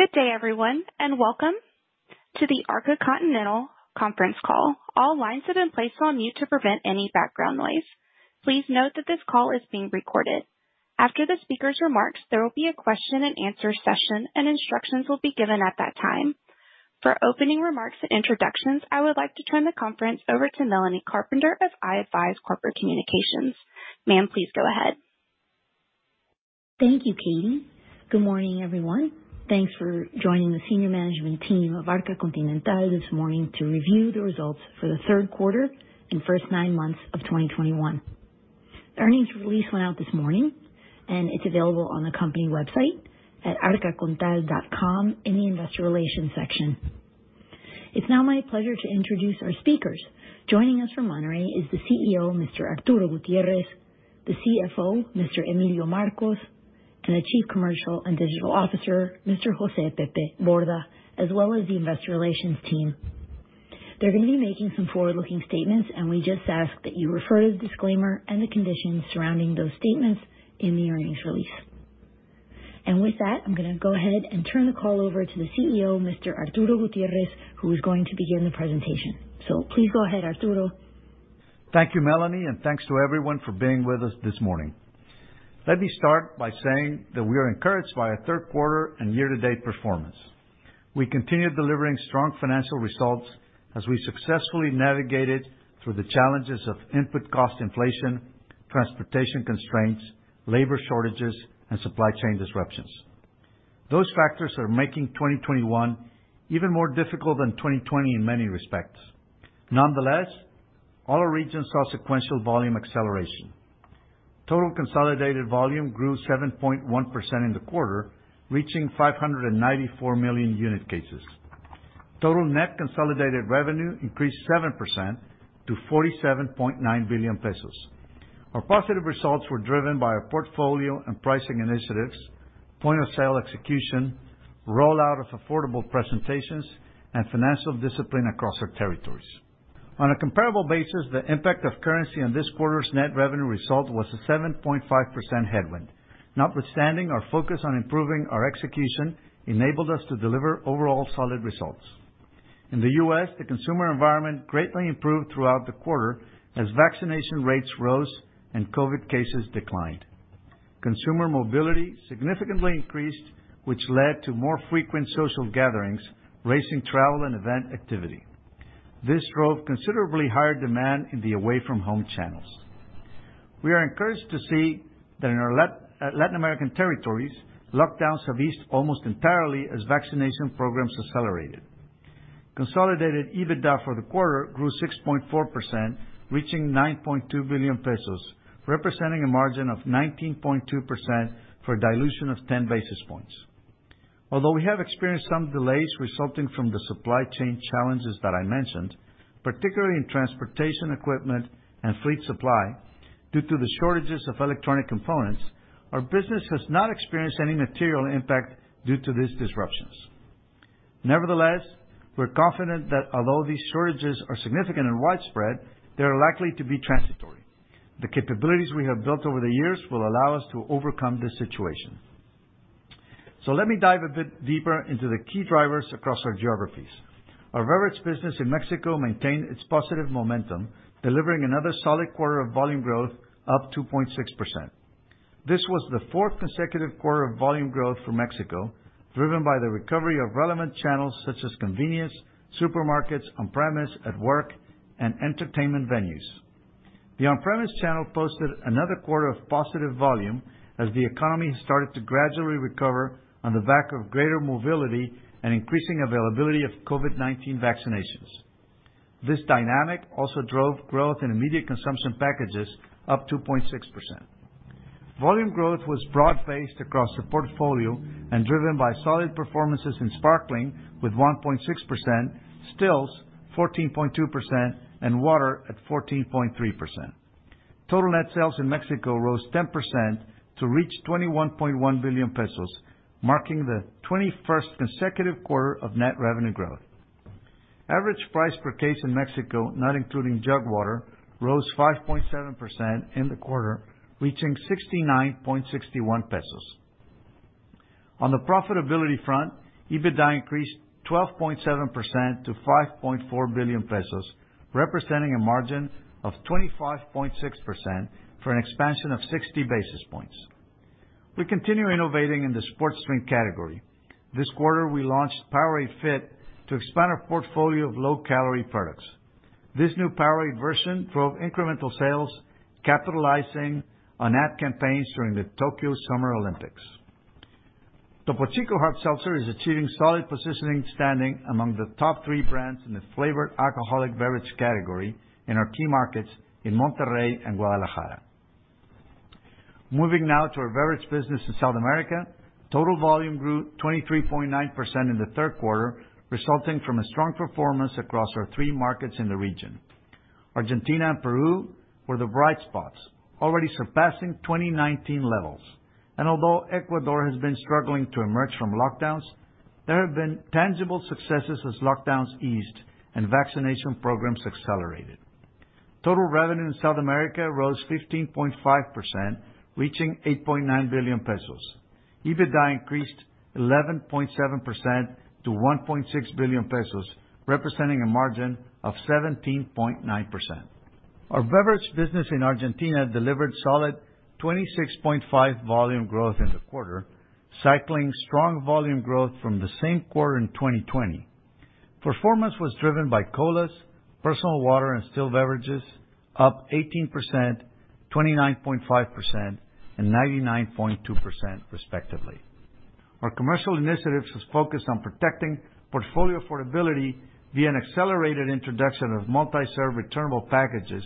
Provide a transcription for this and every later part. Good day, everyone, and welcome to the Arca Continental conference call. All lines have been placed on mute to prevent any background noise. Please note that this call is being recorded. After the speaker's remarks, there will be a question and answer session and instructions will be given at that time. For opening remarks and introductions, I would like to turn the conference over to Melanie Carpenter of i-advize Corporate Communications. Ma'am, please go ahead. Thank you, Katie. Good morning, everyone. Thanks for joining the senior management team of Arca Continental this morning to review the results for the third quarter and first nine months of 2021. The earnings release went out this morning, and it's available on the company website at arcacontinental.com in the investor relations section. It's now my pleasure to introduce our speakers. Joining us from Monterrey is the CEO, Mr. Arturo Gutiérrez, the CFO, Mr. Emilio Marcos, and the Chief Commercial and Digital Officer, Mr. José Pepe Borda, as well as the investor relations team. They're gonna be making some forward-looking statements, and we just ask that you refer to the disclaimer and the conditions surrounding those statements in the earnings release. With that, I'm gonna go ahead and turn the call over to the CEO, Mr. Arturo Gutiérrez, who is going to begin the presentation. Please go ahead, Arturo. Thank you, Melanie, and thanks to everyone for being with us this morning. Let me start by saying that we are encouraged by our third quarter and year-to-date performance. We continued delivering strong financial results as we successfully navigated through the challenges of input cost inflation, transportation constraints, labor shortages, and supply chain disruptions. Those factors are making 2021 even more difficult than 2020 in many respects. Nonetheless, all our regions saw sequential volume acceleration. Total consolidated volume grew 7.1% in the quarter, reaching 594 million unit cases. Total net consolidated revenue increased 7% to 47.9 billion pesos. Our positive results were driven by our portfolio and pricing initiatives, point of sale execution, rollout of affordable presentations, and financial discipline across our territories. On a comparable basis, the impact of currency on this quarter's net revenue result was a 7.5% headwind. Notwithstanding, our focus on improving our execution enabled us to deliver overall solid results. In the U.S., the consumer environment greatly improved throughout the quarter as vaccination rates rose and COVID cases declined. Consumer mobility significantly increased, which led to more frequent social gatherings, raising travel and event activity. This drove considerably higher demand in the away-from-home channels. We are encouraged to see that in our Latin American territories, lockdowns have eased almost entirely as vaccination programs accelerated. Consolidated EBITDA for the quarter grew 6.4%, reaching 9.2 billion pesos, representing a margin of 19.2% for a dilution of 10 basis points. Although we have experienced some delays resulting from the supply chain challenges that I mentioned, particularly in transportation, equipment, and fleet supply, due to the shortages of electronic components, our business has not experienced any material impact due to these disruptions. Nevertheless, we're confident that although these shortages are significant and widespread, they are likely to be transitory. The capabilities we have built over the years will allow us to overcome this situation. Let me dive a bit deeper into the key drivers across our geographies. Our beverage business in Mexico maintained its positive momentum, delivering another solid quarter of volume growth, up 2.6%. This was the fourth consecutive quarter of volume growth for Mexico, driven by the recovery of relevant channels such as convenience, supermarkets, on-premise, at work, and entertainment venues. The on-premise channel posted another quarter of positive volume as the economy has started to gradually recover on the back of greater mobility and increasing availability of COVID-19 vaccinations. This dynamic also drove growth in immediate consumption packages up 2.6%. Volume growth was broad-based across the portfolio and driven by solid performances in sparkling with 1.6%, stills 14.2%, and water at 14.3%. Total net sales in Mexico rose 10% to reach 21.1 billion pesos, marking the 21st consecutive quarter of net revenue growth. Average price per case in Mexico, not including jug water, rose 5.7% in the quarter, reaching 69.61 pesos. On the profitability front, EBITDA increased 12.7% to 5.4 billion pesos, representing a margin of 25.6% for an expansion of 60 basis points. We continue innovating in the sports drink category. This quarter, we launched Powerade Fit to expand our portfolio of low-calorie products. This new Powerade version drove incremental sales, capitalizing on ad campaigns during the Tokyo Summer Olympics. Topo Chico Hard Seltzer is achieving solid positioning, standing among the top three brands in the flavored alcoholic beverage category in our key markets in Monterrey and Guadalajara. Moving now to our beverage business in South America. Total volume grew 23.9% in the third quarter, resulting from a strong performance across our three markets in the region. Argentina and Peru were the bright spots, already surpassing 2019 levels. Although Ecuador has been struggling to emerge from lockdowns, there have been tangible successes as lockdowns eased and vaccination programs accelerated. Total revenue in South America rose 15.5%, reaching 8.9 billion pesos. EBITDA increased 11.7% to 1.6 billion pesos, representing a margin of 17.9%. Our beverage business in Argentina delivered solid 26.5 volume growth in the quarter, cycling strong volume growth from the same quarter in 2020. Performance was driven by colas, personal water and still beverages up 18%, 29.5% and 99.2% respectively. Our commercial initiatives was focused on protecting portfolio affordability via an accelerated introduction of multi-serve returnable packages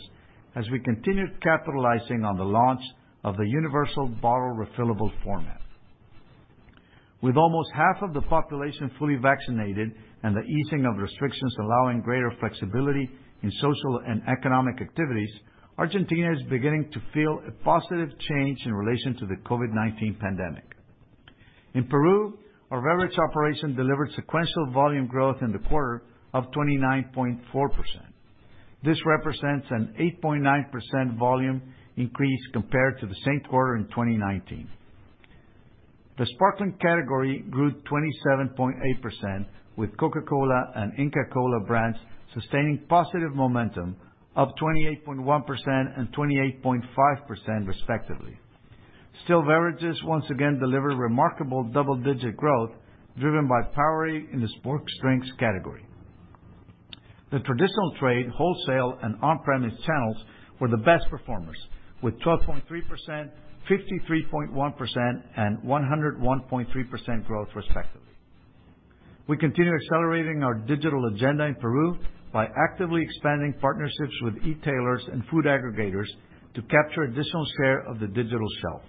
as we continued capitalizing on the launch of the Universal Bottle refillable format. With almost half of the population fully vaccinated and the easing of restrictions allowing greater flexibility in social and economic activities, Argentina is beginning to feel a positive change in relation to the COVID-19 pandemic. In Peru, our beverage operation delivered sequential volume growth in the quarter of 29.4%. This represents an 8.9% volume increase compared to the same quarter in 2019. The sparkling category grew 27.8% with Coca-Cola and Inca Kola brands sustaining positive momentum up 28.1% and 28.5% respectively. Still beverages once again delivered remarkable double-digit growth, driven by Powerade in the sports drinks category. The traditional trade, wholesale and on-premise channels were the best performers, with 12.3%, 53.1% and 101.3% growth respectively. We continue accelerating our digital agenda in Peru by actively expanding partnerships with e-tailers and food aggregators to capture additional share of the digital shelf.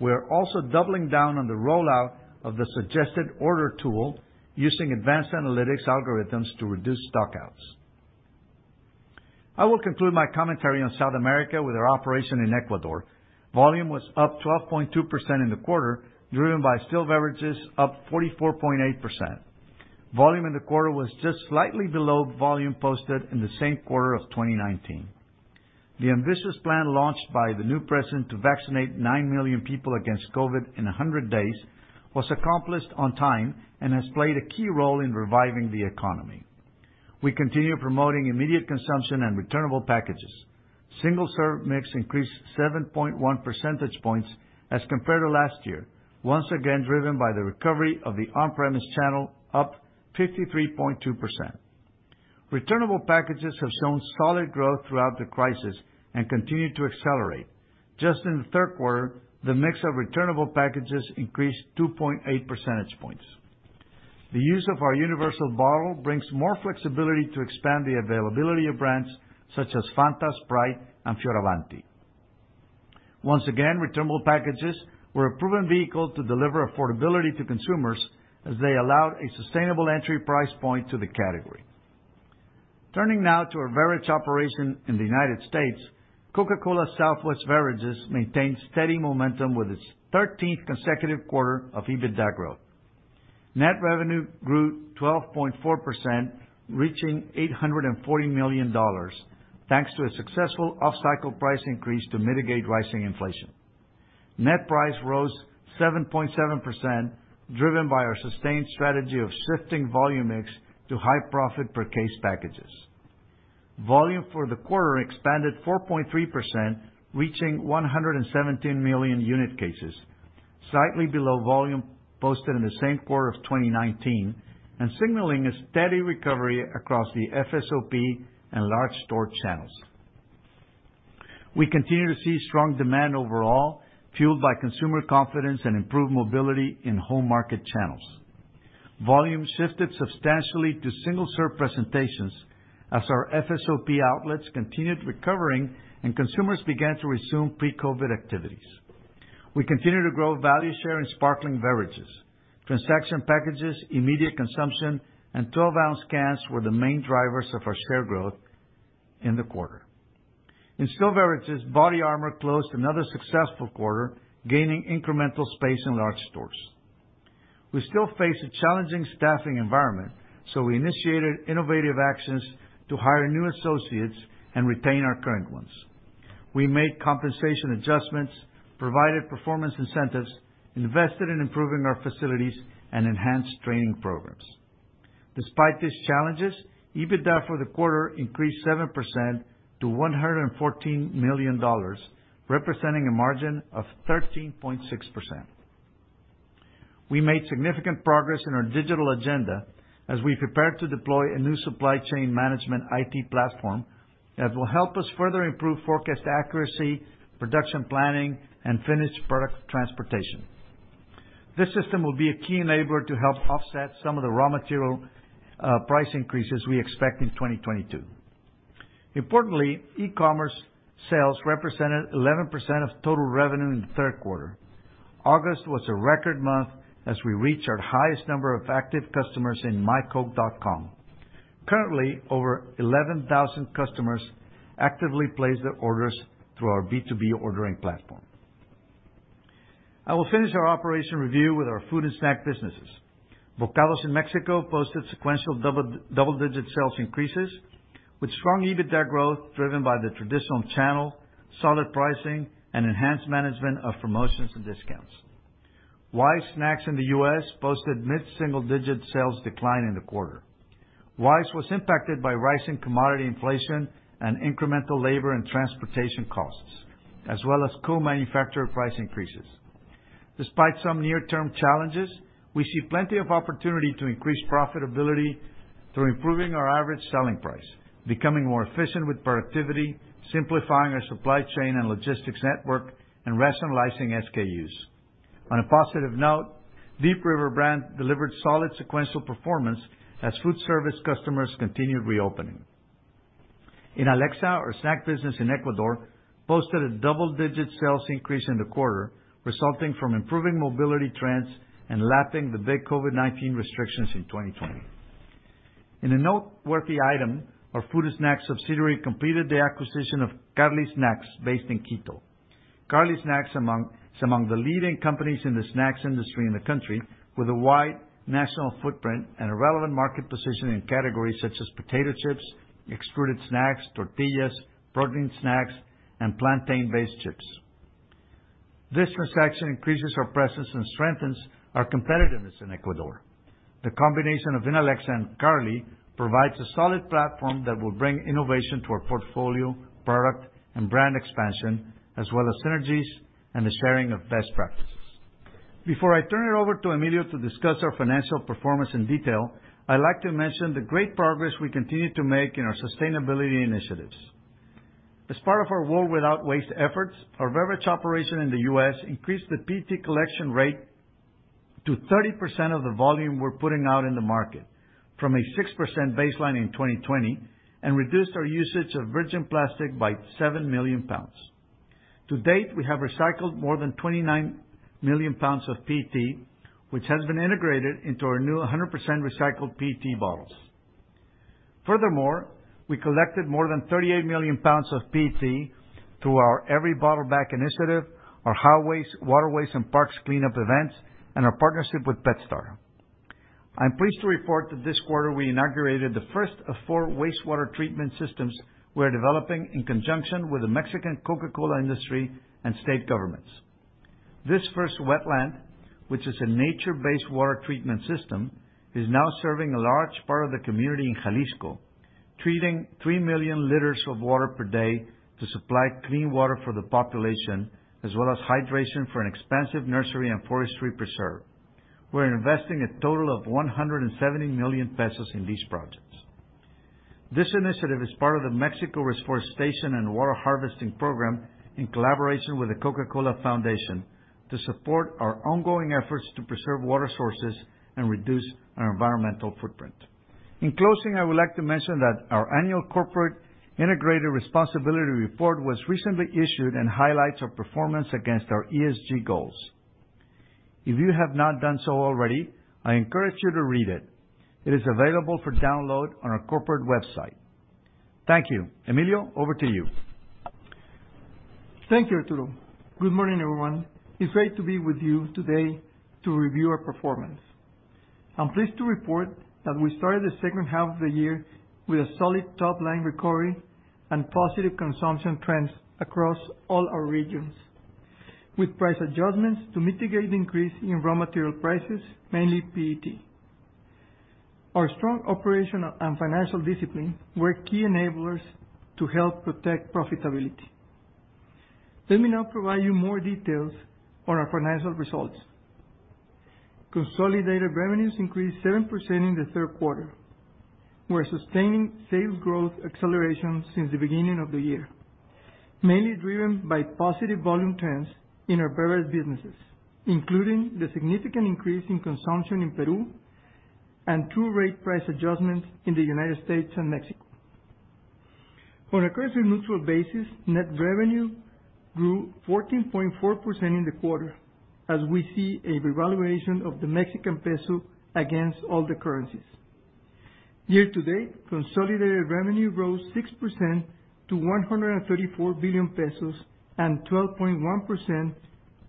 We are also doubling down on the rollout of the suggested order tool using advanced analytics algorithms to reduce stock-outs. I will conclude my commentary on South America with our operation in Ecuador. Volume was up 12.2% in the quarter, driven by still beverages up 44.8%. Volume in the quarter was just slightly below volume posted in the same quarter of 2019. The ambitious plan launched by the new president to vaccinate 9 million people against COVID in 100 days was accomplished on time and has played a key role in reviving the economy. We continue promoting immediate consumption and returnable packages. Single serve mix increased 7.1 percentage points as compared to last year, once again driven by the recovery of the on-premise channel, up 53.2%. Returnable packages have shown solid growth throughout the crisis and continue to accelerate. Just in the third quarter, the mix of returnable packages increased 2.8 percentage points. The use of our Universal Bottle brings more flexibility to expand the availability of brands such as Fanta, Sprite, and Fioravanti. Once again, returnable packages were a proven vehicle to deliver affordability to consumers as they allowed a sustainable entry price point to the category. Turning now to our beverage operation in the United States, Coca-Cola Southwest Beverages maintained steady momentum with its thirteenth consecutive quarter of EBITDA growth. Net revenue grew 12.4%, reaching $840 million, thanks to a successful off-cycle price increase to mitigate rising inflation. Net price rose 7.7%, driven by our sustained strategy of shifting volume mix to high profit per case packages. Volume for the quarter expanded 4.3%, reaching 117 million unit cases, slightly below volume posted in the same quarter of 2019 and signaling a steady recovery across the FSOP and large store channels. We continue to see strong demand overall, fueled by consumer confidence and improved mobility in home market channels. Volume shifted substantially to single-serve presentations as our FSOP outlets continued recovering and consumers began to resume pre-COVID activities. We continue to grow value share in sparkling beverages. Transaction packages, immediate consumption, and 12 oz cans were the main drivers of our share growth in the quarter. In still beverages, BODYARMOR closed another successful quarter, gaining incremental space in large stores. We still face a challenging staffing environment, so we initiated innovative actions to hire new associates and retain our current ones. We made compensation adjustments, provided performance incentives, invested in improving our facilities and enhanced training programs. Despite these challenges, EBITDA for the quarter increased 7% to $114 million, representing a margin of 13.6%. We made significant progress in our digital agenda as we prepare to deploy a new supply chain management IT platform that will help us further improve forecast accuracy, production planning and finished product transportation. This system will be a key enabler to help offset some of the raw material price increases we expect in 2022. Importantly, e-commerce sales represented 11% of total revenue in the third quarter. August was a record month as we reached our highest number of active customers in mycoke.com. Currently, over 11,000 customers actively place their orders through our B2B ordering platform. I will finish our operation review with our food and snack businesses. Bokados in Mexico posted sequential double-digit sales increases with strong EBITDA growth driven by the traditional channel, solid pricing, and enhanced management of promotions and discounts. Wise snacks in the U.S. posted mid-single-digit sales decline in the quarter. Wise was impacted by rising commodity inflation and incremental labor and transportation costs, as well as co-manufacturer price increases. Despite some near-term challenges, we see plenty of opportunity to increase profitability through improving our average selling price, becoming more efficient with productivity, simplifying our supply chain and logistics network, and rationalizing SKUs. On a positive note, Deep River Snacks delivered solid sequential performance as food service customers continued reopening. Inalecsa, our snack business in Ecuador, posted a double-digit sales increase in the quarter, resulting from improving mobility trends and lapping the big COVID-19 restrictions in 2020. In a noteworthy item, our food and snacks subsidiary completed the acquisition of Carli Snacks based in Quito. Carli Snacks is among the leading companies in the snacks industry in the country, with a wide national footprint and a relevant market position in categories such as potato chips, extruded snacks, tortillas, protein snacks, and plantain-based chips. This transaction increases our presence and strengthens our competitiveness in Ecuador. The combination of Inalecsa and Carli Snacks provides a solid platform that will bring innovation to our portfolio, product, and brand expansion, as well as synergies and the sharing of best practices. Before I turn it over to Emilio to discuss our financial performance in detail, I like to mention the great progress we continue to make in our sustainability initiatives. As part of our World Without Waste efforts, our beverage operation in the U.S. increased the PET collection rate to 30% of the volume we're putting out in the market from a 6% baseline in 2020, and reduced our usage of virgin plastic by 7 million pounds. To date, we have recycled more than 29 million pounds of PET, which has been integrated into our new 100% recycled PET bottles. Furthermore, we collected more than 38 million pounds of PET through our Every Bottle Back initiative, our highways, waterways, and parks cleanup events, and our partnership with PetStar. I'm pleased to report that this quarter we inaugurated the first of four wastewater treatment systems we're developing in conjunction with the Mexican Coca-Cola industry and state governments. This first wetland, which is a nature-based water treatment system, is now serving a large part of the community in Jalisco, treating 3 million liters of water per day to supply clean water for the population, as well as hydration for an expansive nursery and forestry preserve. We're investing a total of 170 million pesos in these projects. This initiative is part of the Mexico Reforestation and Water Harvesting Program in collaboration with the Coca-Cola Foundation to support our ongoing efforts to preserve water sources and reduce our environmental footprint. In closing, I would like to mention that our annual corporate integrated responsibility report was recently issued and highlights our performance against our ESG goals. If you have not done so already, I encourage you to read it. It is available for download on our corporate website. Thank you. Emilio, over to you. Thank you, Arturo. Good morning, everyone. It's great to be with you today to review our performance. I'm pleased to report that we started the second half of the year with a solid top-line recovery and positive consumption trends across all our regions, with price adjustments to mitigate the increase in raw material prices, mainly PET. Our strong operational and financial discipline were key enablers to help protect profitability. Let me now provide you more details on our financial results. Consolidated revenues increased 7% in the third quarter. We're sustaining sales growth acceleration since the beginning of the year, mainly driven by positive volume trends in our various businesses, including the significant increase in consumption in Peru and through rate price adjustments in the United States and Mexico. On a currency-neutral basis, net revenue grew 14.4% in the quarter, as we see a revaluation of the Mexican peso against all the currencies. Year to date, consolidated revenue rose 6% to 134 billion pesos and 12.1%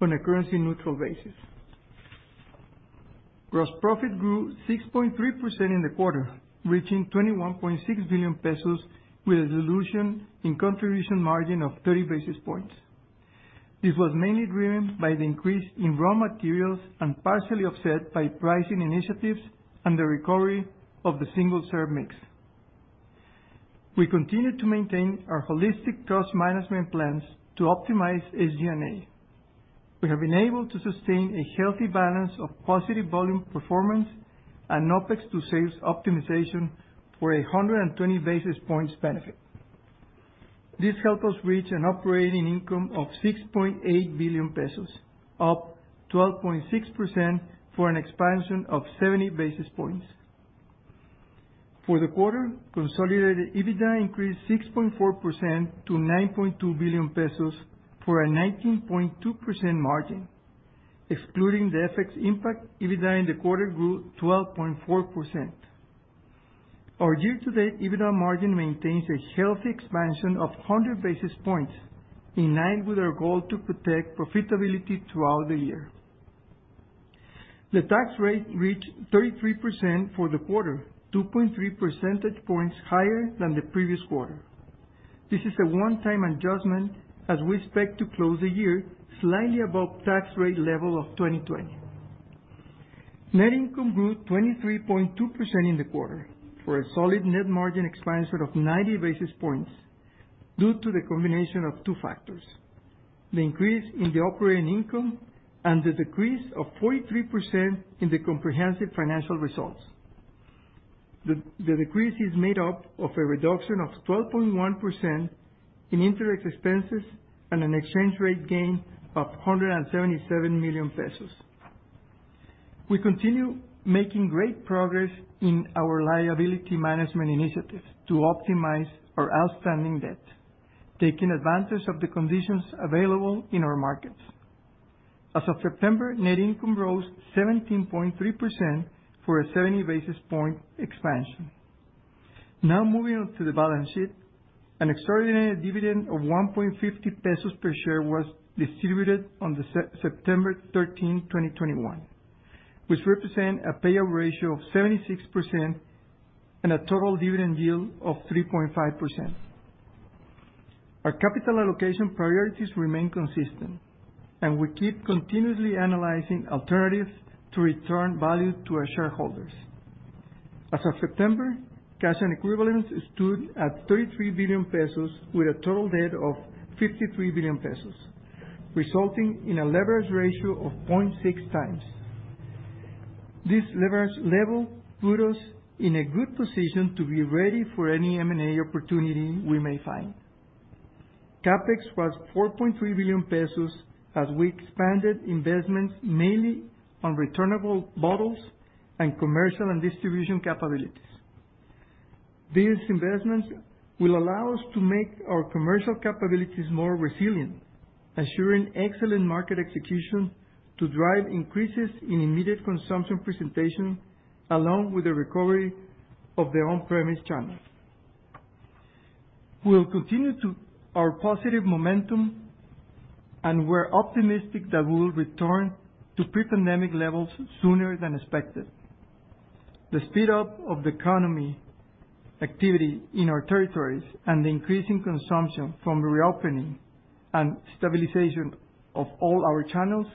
on a currency-neutral basis. Gross profit grew 6.3% in the quarter, reaching 21.6 billion pesos with a dilution in contribution margin of 30 basis points. This was mainly driven by the increase in raw materials and partially offset by pricing initiatives and the recovery of the single-serve mix. We continue to maintain our holistic cost management plans to optimize SG&A. We have been able to sustain a healthy balance of positive volume performance and OPEX to sales optimization for a 120 basis points benefit. This helped us reach an operating income of 6.8 billion pesos, up 12.6% for an expansion of 70 basis points. For the quarter, consolidated EBITDA increased 6.4% to 9.2 billion pesos for a 19.2% margin. Excluding the FX impact, EBITDA in the quarter grew 12.4%. Our year-to-date EBITDA margin maintains a healthy expansion of 100 basis points, in line with our goal to protect profitability throughout the year. The tax rate reached 33% for the quarter, 2.3 percentage points higher than the previous quarter. This is a one-time adjustment as we expect to close the year slightly above tax rate level of 2020. Net income grew 23.2% in the quarter for a solid net margin expansion of 90 basis points due to the combination of two factors, the increase in the operating income and the decrease of 43% in the comprehensive financial results. The decrease is made up of a reduction of 12.1% in interest expenses and an exchange rate gain of 177 million pesos. We continue making great progress in our liability management initiatives to optimize our outstanding debt, taking advantage of the conditions available in our markets. As of September, net income rose 17.3% for a 70 basis points expansion. Now moving on to the balance sheet. An extraordinary dividend of 1.50 pesos per share was distributed on September 13, 2021, which represent a payout ratio of 76% and a total dividend yield of 3.5%. Our capital allocation priorities remain consistent, and we keep continuously analyzing alternatives to return value to our shareholders. As of September, cash and equivalents stood at 33 billion pesos with a total debt of 53 billion pesos, resulting in a leverage ratio of 0.6x. This leverage level put us in a good position to be ready for any M&A opportunity we may find. CapEx was 4.3 billion pesos as we expanded investments mainly on returnable bottles and commercial and distribution capabilities. These investments will allow us to make our commercial capabilities more resilient, ensuring excellent market execution to drive increases in immediate consumption penetration, along with the recovery of the on-premise channels. We will continue with our positive momentum, and we're optimistic that we will return to pre-pandemic levels sooner than expected. The speedup of economic activity in our territories and the increasing consumption from the reopening and stabilization of all our channels,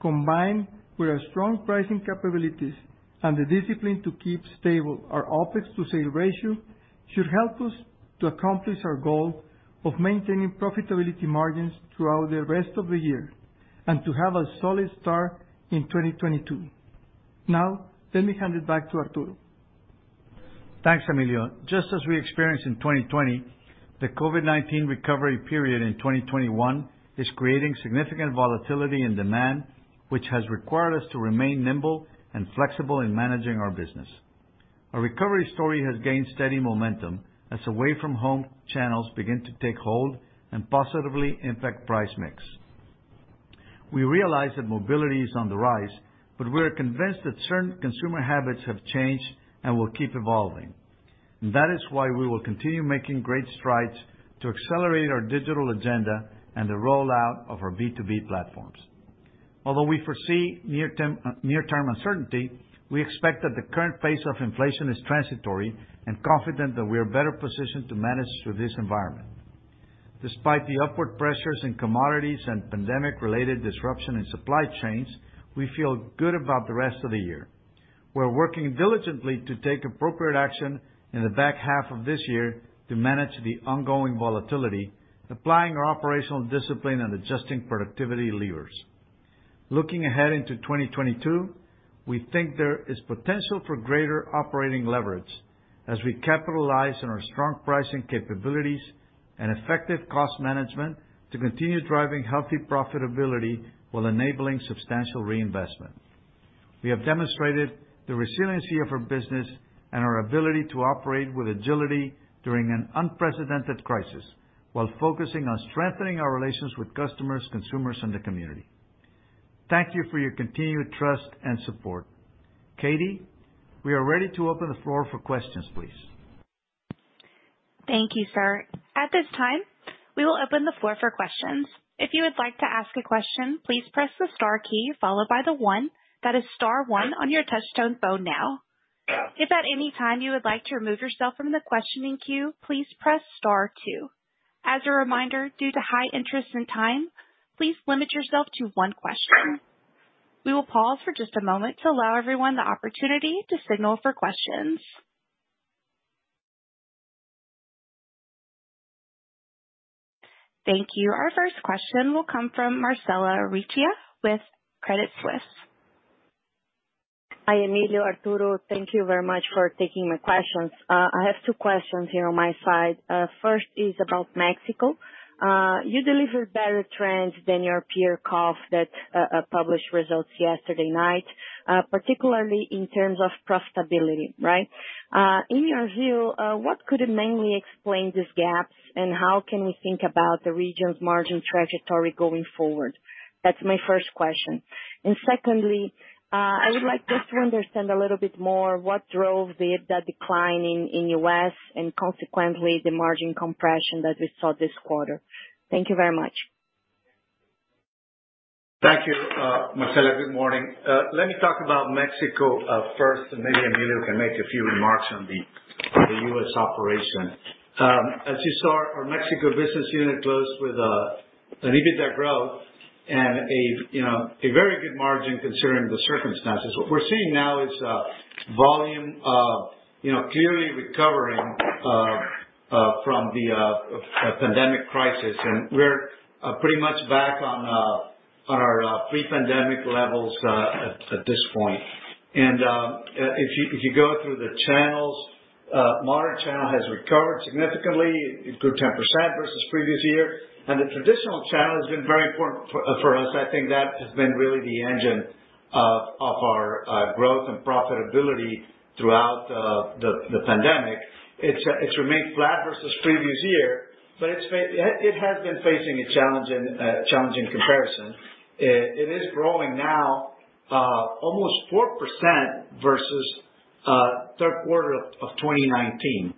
combined with our strong pricing capabilities and the discipline to keep stable our OPEX to sales ratio, should help us to accomplish our goal of maintaining profitability margins throughout the rest of the year and to have a solid start in 2022. Now, let me hand it back to Arturo. Thanks, Emilio. Just as we experienced in 2020, the COVID-19 recovery period in 2021 is creating significant volatility in demand, which has required us to remain nimble and flexible in managing our business. Our recovery story has gained steady momentum as away from home channels begin to take hold and positively impact price mix. We realize that mobility is on the rise, but we are convinced that certain consumer habits have changed and will keep evolving. That is why we will continue making great strides to accelerate our digital agenda and the rollout of our B2B platforms. Although we foresee near-term uncertainty, we expect that the current pace of inflation is transitory and confident that we are better positioned to manage through this environment. Despite the upward pressures in commodities and pandemic-related disruption in supply chains, we feel good about the rest of the year. We're working diligently to take appropriate action in the back half of this year to manage the ongoing volatility, applying our operational discipline and adjusting productivity levers. Looking ahead into 2022, we think there is potential for greater operating leverage as we capitalize on our strong pricing capabilities and effective cost management to continue driving healthy profitability while enabling substantial reinvestment. We have demonstrated the resiliency of our business and our ability to operate with agility during an unprecedented crisis while focusing on strengthening our relations with customers, consumers, and the community. Thank you for your continued trust and support. Katie, we are ready to open the floor for questions, please. Thank you, sir. At this time, we will open the floor for questions. If you would like to ask a question, please press the star key followed by the one. That is star one on your touch tone phone now. If at any time you would like to remove yourself from the questioning queue, please press star two. As a reminder, due to high interest and time, please limit yourself to one question. We will pause for just a moment to allow everyone the opportunity to signal for questions. Thank you. Our first question will come from Marcella Recchia with Credit Suisse. Hi, Emilio, Arturo. Thank you very much for taking my questions. I have two questions here on my side. First is about Mexico. You delivered better trends than your peer, KOF, that published results yesterday night, particularly in terms of profitability, right? In your view, what could mainly explain these gaps, and how can we think about the region's margin trajectory going forward? That's my first question. Secondly, I would like just to understand a little bit more what drove the decline in U.S. and consequently the margin compression that we saw this quarter. Thank you very much. Marcella, good morning. Let me talk about Mexico first, and maybe Emilio can make a few remarks on the U.S. operation. As you saw, our Mexico business unit closed with an EBITDA growth and, you know, a very good margin considering the circumstances. What we're seeing now is volume you know clearly recovering from the pandemic crisis. We're pretty much back on our pre-pandemic levels at this point. If you go through the channels, modern channel has recovered significantly, it grew 10% versus previous year. The traditional channel has been very important for us. I think that has been really the engine of our growth and profitability throughout the pandemic. It's remained flat versus previous year, but it has been facing a challenging comparison. It is growing now almost 4% versus third quarter of 2019.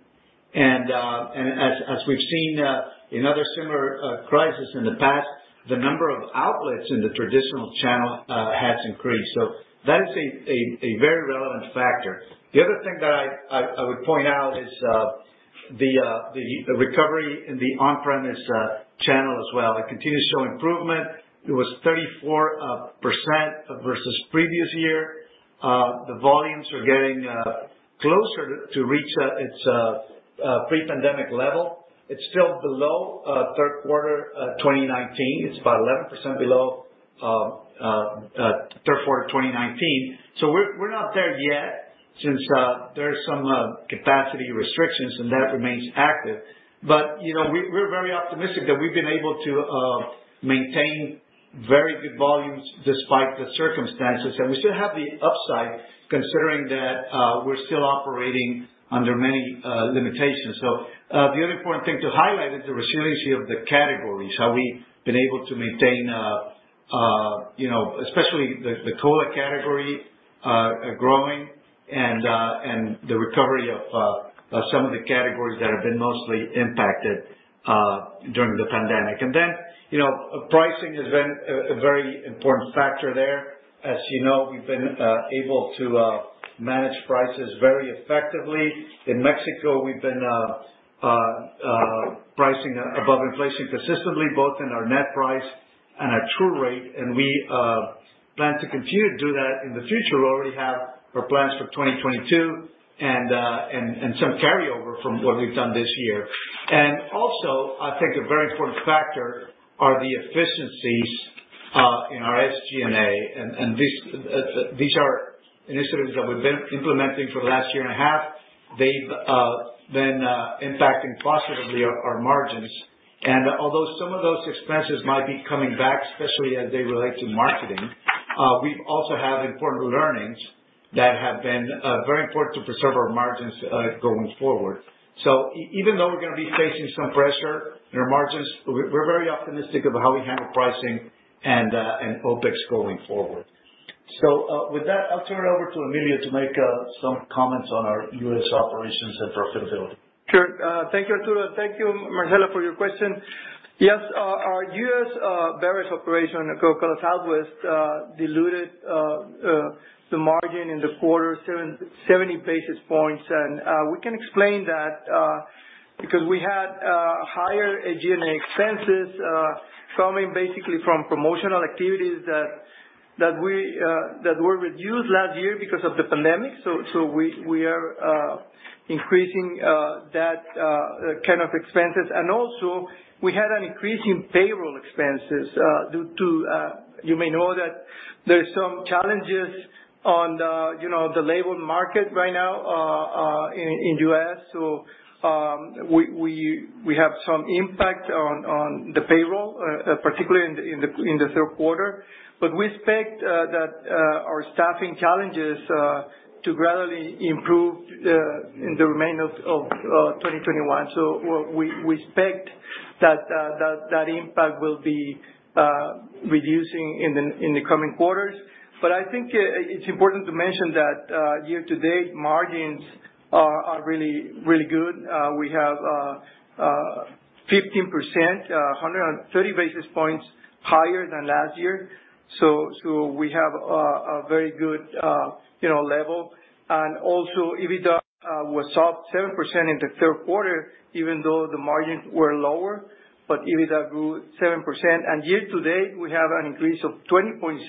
As we've seen in other similar crisis in the past, the number of outlets in the traditional channel has increased. That is a very relevant factor. The other thing that I would point out is the recovery in the on-premise channel as well. It continues to show improvement. It was 34% versus previous year. The volumes are getting closer to reach its pre-pandemic level. It's still below third quarter 2019. It's about 11% below third quarter of 2019. We're not there yet since there are some capacity restrictions, and that remains active. You know, we're very optimistic that we've been able to maintain very good volumes despite the circumstances. We still have the upside, considering that we're still operating under many limitations. The other important thing to highlight is the resiliency of the categories, how we've been able to maintain you know, especially the cola category growing and the recovery of some of the categories that have been mostly impacted during the pandemic. You know, pricing has been a very important factor there. As you know, we've been able to manage prices very effectively. In Mexico, we've been pricing above inflation consistently, both in our net price and our true rate. We plan to continue to do that in the future. We already have our plans for 2022 and some carryover from what we've done this year. Also, I think a very important factor are the efficiencies in our SG&A. These are initiatives that we've been implementing for the last year and a half. They've been impacting positively our margins. Although some of those expenses might be coming back, especially as they relate to marketing, we've also had important learnings that have been very important to preserve our margins going forward. Even though we're gonna be facing some pressure in our margins, we're very optimistic about how we handle pricing and OPEX going forward. With that, I'll turn it over to Emilio to make some comments on our U.S. operations and profitability. Sure. Thank you, Arturo. Thank you, Marcella, for your question. Yes, our U.S. operations, Coca-Cola Southwest, diluted the margin in the quarter 70 basis points. We can explain that because we had higher SG&A expenses coming basically from promotional activities that we reduced last year because of the pandemic. We are increasing that kind of expenses. Also, we had an increase in payroll expenses due to you may know that there are some challenges on the labor market right now in U.S. We have some impact on the payroll particularly in the third quarter. We expect that our staffing challenges to gradually improve in the remainder of 2021. We expect that impact will be reducing in the coming quarters. I think it's important to mention that year-to-date margins are really good. We have 15%, 130 basis points higher than last year. We have a very good, you know, level. EBITDA was up 7% in the third quarter, even though the margins were lower, but EBITDA grew 7%. Year to date, we have an increase of 20.7%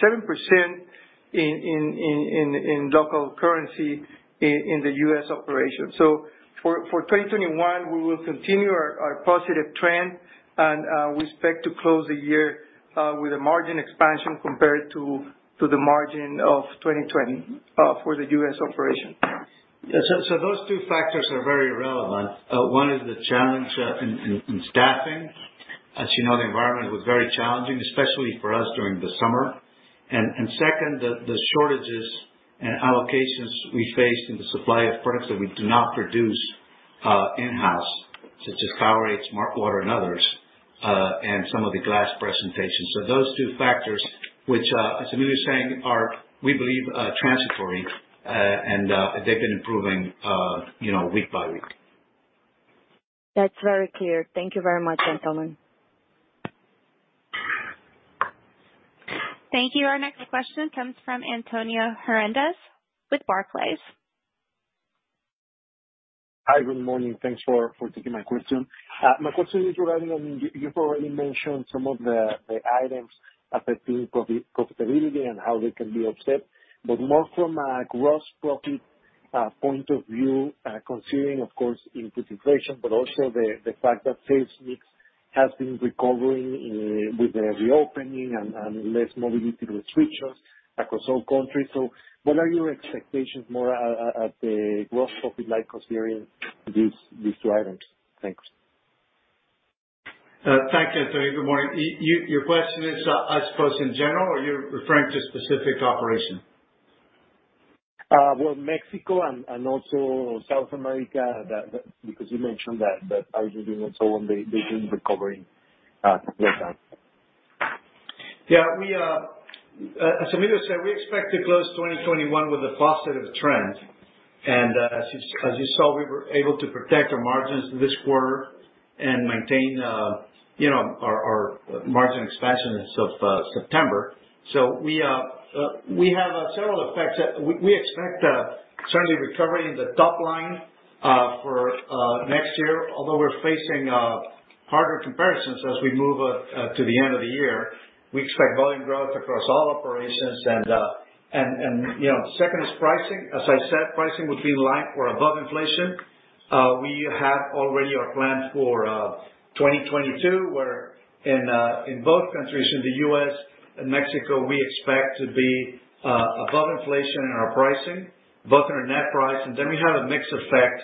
in local currency in the U.S. operation. For 2021, we will continue our positive trend and we expect to close the year with a margin expansion compared to the margin of 2020 for the U.S. operation. Yeah. Those two factors are very relevant. One is the challenge in staffing. As you know, the environment was very challenging, especially for us during the summer. Second, the shortages and allocations we faced in the supply of products that we do not produce in-house, such as Powerade, smartwater, and others, and some of the glass presentations. Those two factors, which, as Emilio is saying, are, we believe, transitory. They've been improving, you know, week by week. That's very clear. Thank you very much, gentlemen. Thank you. Our next question comes from Antonio Hernández with Barclays. Hi. Good morning. Thanks for taking my question. My question is regarding, I mean, you've already mentioned some of the items affecting profitability and how they can be offset, but more from a gross profit point of view, considering of course input inflation, but also the fact that sales mix has been recovering with the reopening and less mobility restrictions across all countries. What are your expectations more at the gross profit line considering these two items? Thanks. Thank you, Antonio. Good morning. Your question is, I suppose in general or you're referring to a specific operation? Well, Mexico and also South America. Because you mentioned that Argentina and so on, they've been recovering late last year. Yeah. We, as Emilio said, expect to close 2021 with a positive trend. As you saw, we were able to protect our margins this quarter and maintain, you know, our margin expansion as of September. We have several effects that we expect, certainly recovering the top line for next year, although we're facing harder comparisons as we move to the end of the year. We expect volume growth across all operations. Second is pricing. As I said, pricing will be in line or above inflation. We have already our plans for 2022, where in both countries, in the U.S. and Mexico, we expect to be above inflation in our pricing, both in our net price. We have a mix effect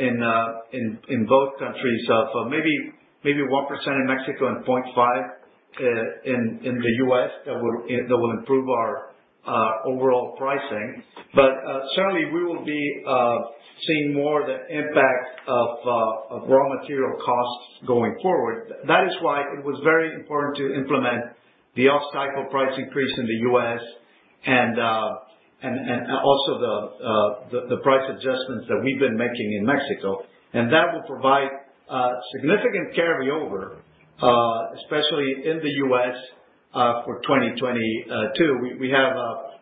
in both countries of maybe 1% in Mexico and 0.5% in the U.S. that will improve our overall pricing. Certainly we will be seeing more of the impact of raw material costs going forward. That is why it was very important to implement the off-cycle price increase in the U.S. and also the price adjustments that we've been making in Mexico. That will provide significant carryover, especially in the U.S., for 2022. We have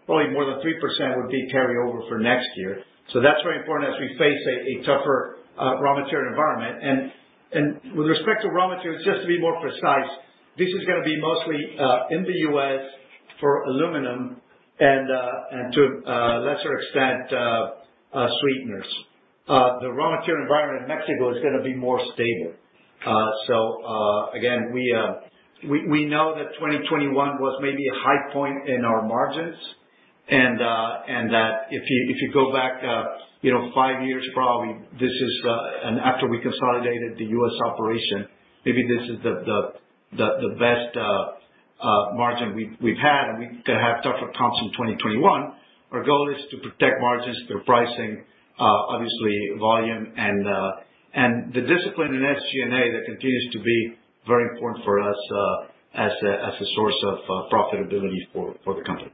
probably more than 3% will be carryover for next year. That's very important as we face a tougher raw material environment. With respect to raw materials, just to be more precise, this is gonna be mostly in the U.S. for aluminum and to a lesser extent, sweeteners. The raw material environment in Mexico is gonna be more stable. Again, we know that 2021 was maybe a high point in our margins and that if you go back, you know, five years, probably this is and after we consolidated the U.S. operation, maybe this is the best margin we've had. We gonna have tougher comps in 2021. Our goal is to protect margins through pricing, obviously volume and the discipline in SG&A that continues to be very important for us, as a source of profitability for the company.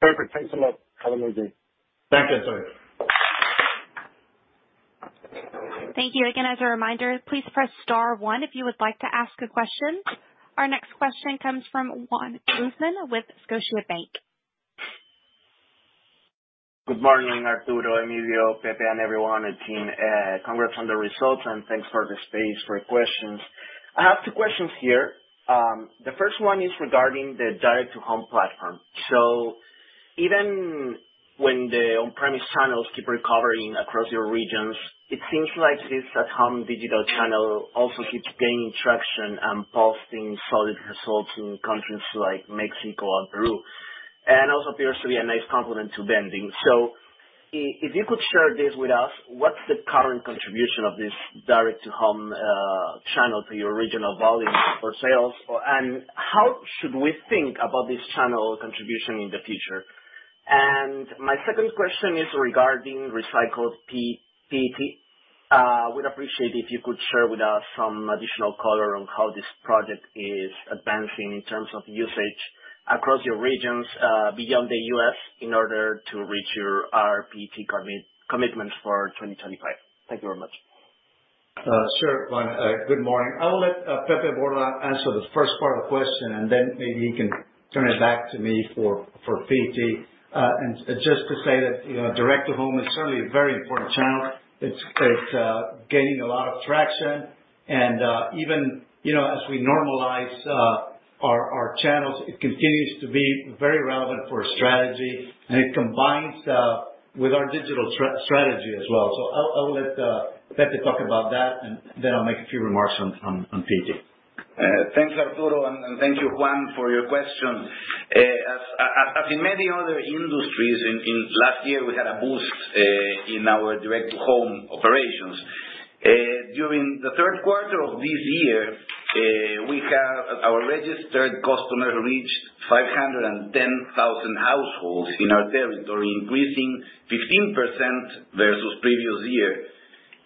Perfect. Thanks a lot. Have a nice day. Thanks, Antonio. Thank you. Again, as a reminder, please press star one if you would like to ask a question. Our next question comes from Juan Guzman with Scotiabank. Good morning, Arturo, Emilio, Pepe, and everyone at the team. Congrats on the results, and thanks for the space for questions. I have two questions here. The first one is regarding the direct to home platform. Even when the on-premise channels keep recovering across your regions, it seems like this at home digital channel also keeps gaining traction and posting solid results in countries like Mexico and Peru, and also appears to be a nice complement to vending. If you could share this with us, what's the current contribution of this direct to home channel to your regional volume for sales? Or how should we think about this channel contribution in the future? My second question is regarding recycled PET. Would appreciate if you could share with us some additional color on how this project is advancing in terms of usage across your regions, beyond the U.S. in order to reach your rPET commitments for 2025. Thank you very much. Sure, Juan. Good morning. I will let Pepe Borda answer the first part of the question, and then maybe he can turn it back to me for PET. Just to say that, you know, direct to home is certainly a very important channel. It's gaining a lot of traction. Even, you know, as we normalize our channels, it continues to be very relevant for our strategy. It combines with our digital strategy as well. I'll let Pepe talk about that, and then I'll make a few remarks on PET. Thanks, Arturo, and thank you, Juan, for your question. As in many other industries, in last year, we had a boost in our direct to home operations. During the third quarter of this year, we have our registered customers reached 510,000 households in our territory, increasing 15% versus previous year.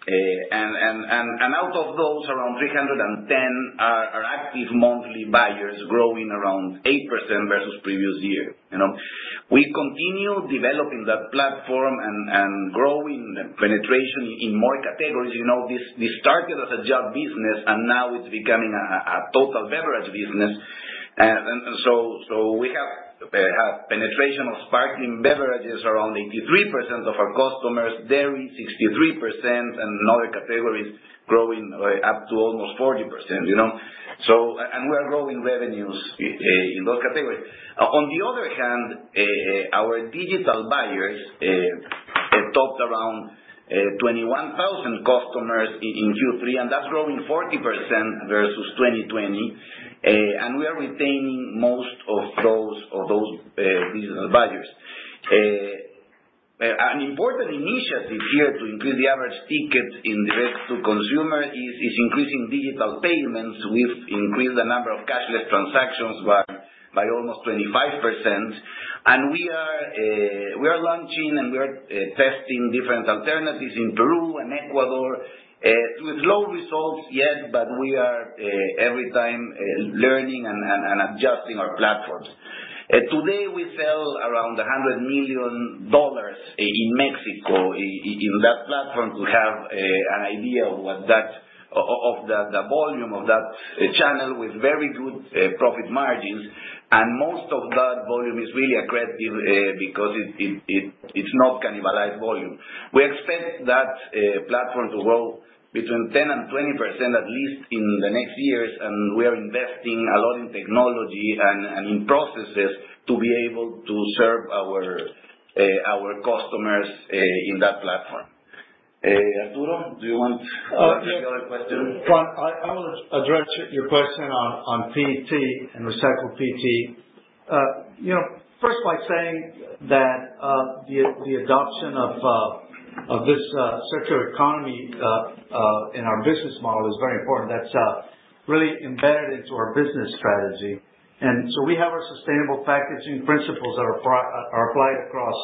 Out of those, around 310 are active monthly buyers growing around 8% versus previous year, you know. We continue developing that platform and growing penetration in more categories. You know, this started as a job business, and now it's becoming a total beverage business. We have penetration of sparkling beverages around 83% of our customers, dairy 63%, and other categories growing up to almost 40%, you know. We are growing revenues in those categories. On the other hand, our digital buyers topped around 21,000 customers in Q3, and that's growing 40% versus 2020. We are retaining most of those digital buyers. An important initiative here to increase the average ticket in direct to consumer is increasing digital payments. We've increased the number of cashless transactions by almost 25%. We are testing different alternatives in Peru and Ecuador with low results yet, but we are every time learning and adjusting our platforms. Today, we sell around $100 million in Mexico in that platform to have an idea of the volume of that channel with very good profit margins. Most of that volume is really aggressive because it's not cannibalized volume. We expect that platform to grow 10%-20%, at least in the next years. We are investing a lot in technology and in processes to be able to serve our customers in that platform. Arturo, do you want to take the other question? Juan, I wanna address your question on PET and recycled PET. You know, first by saying that the adoption of this circular economy in our business model is very important. That's really embedded into our business strategy. We have our sustainable packaging principles that are applied across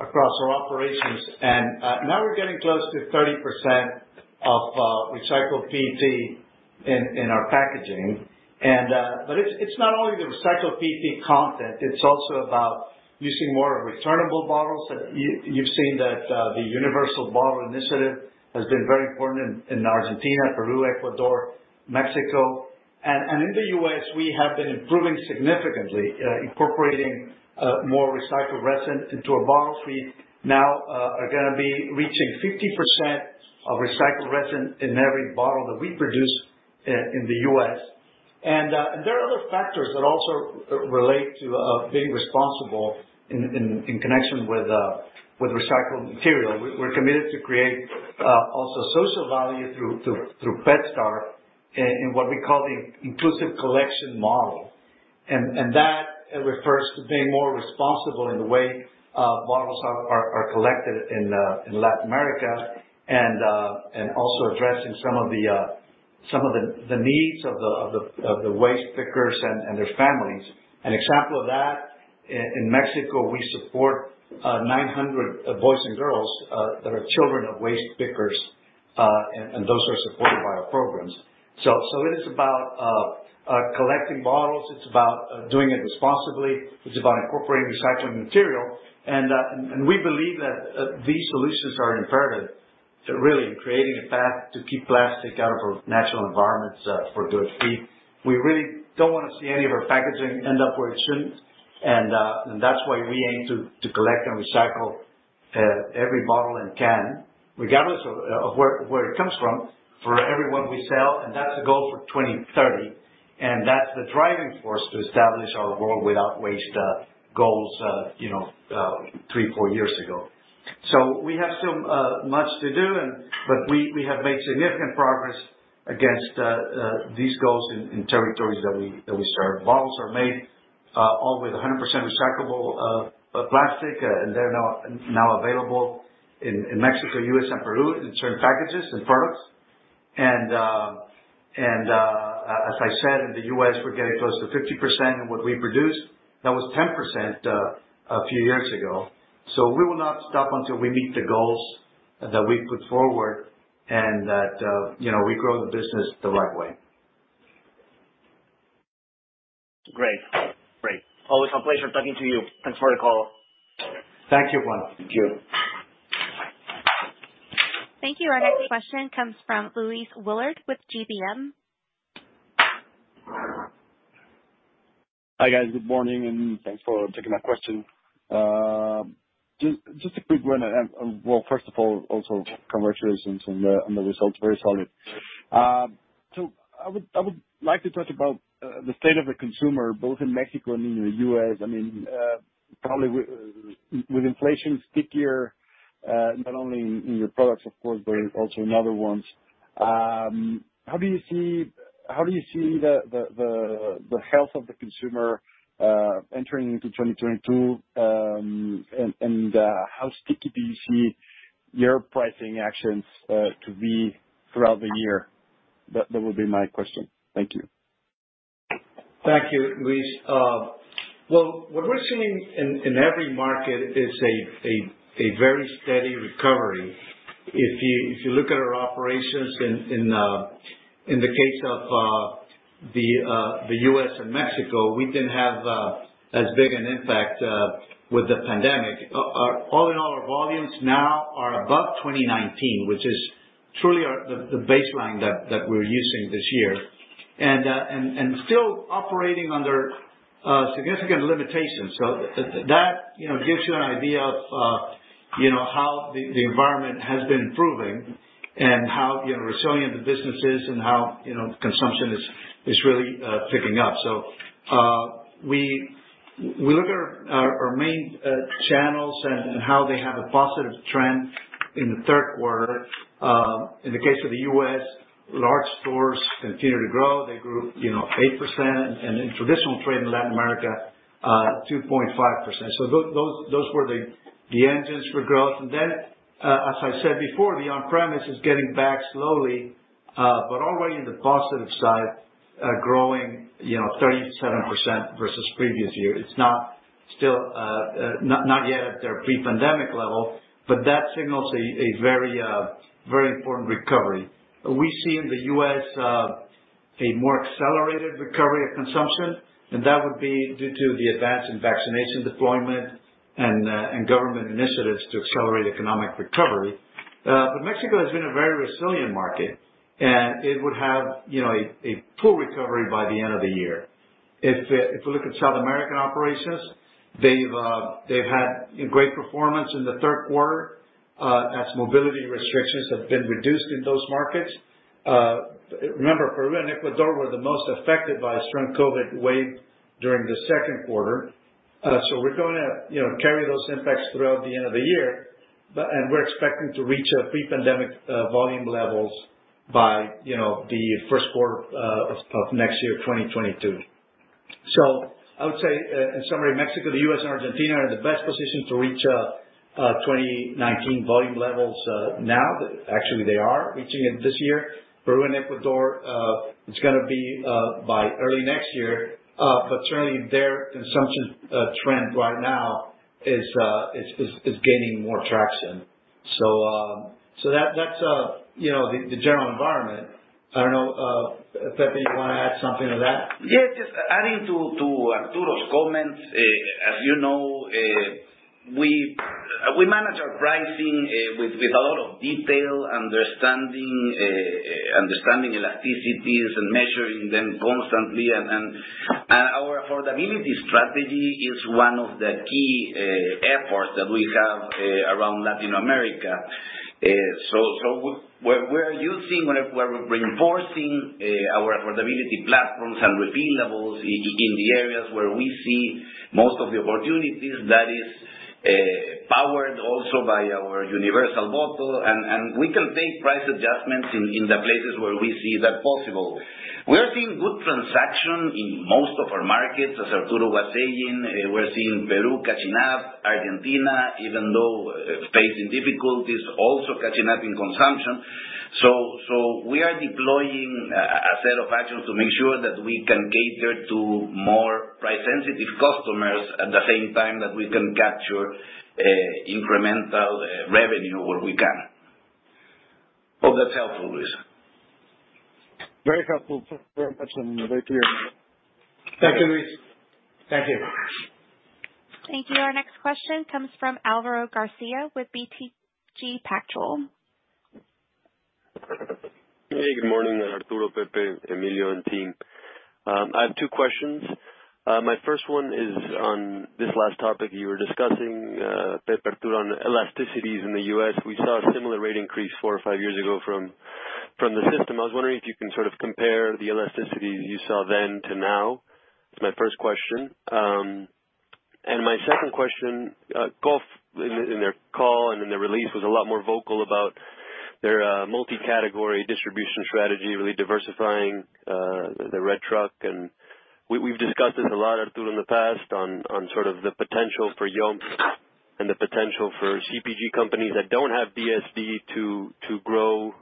our operations. Now we're getting close to 30% of recycled PET in our packaging. It's not only the recycled PET content, it's also about using more returnable bottles. That you've seen that the Universal Bottle initiative has been very important in Argentina, Peru, Ecuador, Mexico. In the U.S., we have been improving significantly, incorporating more recycled resin into our bottles. We now are gonna be reaching 50% of recycled resin in every bottle that we produce in the U.S. There are other factors that also relate to being responsible in connection with recycled material. We're committed to create also social value through PetStar in what we call the inclusive collection model. That refers to being more responsible in the way bottles are collected in Latin America and also addressing some of the needs of the waste pickers and their families. An example of that, in Mexico, we support 900 boys and girls that are children of waste pickers and those are supported by our programs. It is about collecting bottles, it's about doing it responsibly, it's about incorporating recycled material. We believe that these solutions are imperative to really creating a path to keep plastic out of our natural environments for good. We really don't wanna see any of our packaging end up where it shouldn't. That's why we aim to collect and recycle every bottle and can, regardless of where it comes from, for every one we sell. That's the goal for 2030. That's the driving force to establish our World Without Waste goals three or four years ago. We have so much to do but we have made significant progress against these goals in territories that we serve. Bottles are made all with 100% recyclable plastic. They're now available in Mexico, U.S., and Peru in certain packages and products. As I said, in the U.S., we're getting close to 50% in what we produce. That was 10% a few years ago. We will not stop until we meet the goals that we put forward and that, you know, we grow the business the right way. Great. Always a pleasure talking to you. Thanks for the call. Thank you, Juan. Thank you. Thank you. Our next question comes from Luis Willard with GBM. Hi, guys. Good morning, and thanks for taking my question. Just a quick one. Well, first of all, also congratulations on the results, very solid. I would like to talk about the state of the consumer, both in Mexico and in the U.S. I mean, probably with inflation stickier, not only in your products of course, but also in other ones. How do you see the health of the consumer entering into 2022? How sticky do you see your pricing actions to be throughout the year? That would be my question. Thank you. Thank you, Luis. Well, what we're seeing in every market is a very steady recovery. If you look at our operations in the case of the U.S. and Mexico, we didn't have as big an impact with the pandemic. All in all, our volumes now are above 2019, which is truly the baseline that we're using this year. Still operating under significant limitations. That you know gives you an idea of you know how the environment has been improving and how you know resilient the business is and how you know consumption is really picking up. We look at our main channels and how they have a positive trend in the third quarter. In the case of the U.S., large stores continue to grow. They grew, you know, 8%. In traditional trade in Latin America, 2.5%. Those were the engines for growth. Then, as I said before, the on-premise is getting back slowly, but already in the positive side, growing, you know, 37% versus previous year. It's still not yet at their pre-pandemic level, but that signals a very important recovery. We see in the U.S. a more accelerated recovery of consumption, and that would be due to the advance in vaccination deployment and government initiatives to accelerate economic recovery. Mexico has been a very resilient market. It would have, you know, a full recovery by the end of the year. If you look at South American operations, they've had a great performance in the third quarter as mobility restrictions have been reduced in those markets. Remember, Peru and Ecuador were the most affected by a strong COVID wave during the second quarter. So we're gonna, you know, carry those impacts throughout the end of the year, but, and we're expecting to reach pre-pandemic volume levels by, you know, the first quarter of next year, 2022. I would say, in summary, Mexico, the U.S. and Argentina are in the best position to reach 2019 volume levels now. Actually, they are reaching it this year. Peru and Ecuador, it's gonna be by early next year. But certainly their consumption trend right now is gaining more traction. that's you know the general environment. I don't know, Pepe, you wanna add something to that? Yes, just adding to Arturo's comments. As you know, we manage our pricing with a lot of detail, understanding elasticities and measuring them constantly. Our affordability strategy is one of the key efforts that we have around Latin America. We're reinforcing our affordability platforms and refillables in the areas where we see most of the opportunities that is powered also by our Universal Bottle. We can make price adjustments in the places where we see that possible. We are seeing good traction in most of our markets. As Arturo was saying, we're seeing Peru catching up. Argentina, even though facing difficulties, also catching up in consumption. We are deploying a set of actions to make sure that we can cater to more price-sensitive customers at the same time that we can capture incremental revenue where we can. Hope that's helpful, Luis. Very helpful. Thank you very much. Very clear. Thank you, Luis. Thank you. Thank you. Our next question comes from Álvaro García with BTG Pactual. Hey, good morning, Arturo, Pepe, Emilio, and team. I have two questions. My first one is on this last topic you were discussing, Pepe, Arturo, on elasticities in the U.S. We saw a similar rate increase four or five years ago from the system. I was wondering if you can sort of compare the elasticity you saw then to now. That's my first question. My second question, KOF in their call and in their release was a lot more vocal about their multi-category distribution strategy, really diversifying the red truck. We've discussed this a lot, Arturo, in the past on sort of the potential for Juntos+ and the potential for CPG companies that don't have DSD to grow